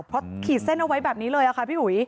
เพราะขีดเส้นเอาไว้แบบนี้เลยค่ะพี่อุ๋ย